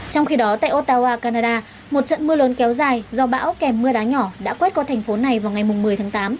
trong khi đó tại ottawa canada một trận mưa lớn kéo dài do bão kèm mưa đá nhỏ đã quét qua thành phố này vào ngày một mươi tháng tám